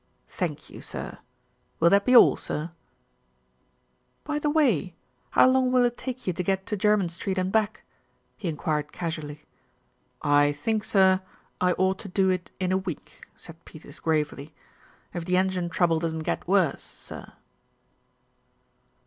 "Thank you, sir. Will that be all, sir?" "By the way, how long will it take you to get to Jermyn Street and back?" he enquired casually. "I think, sir, I ought to do it in a week," said Peters gravely. "If the engine trouble doesn't get worse, sir."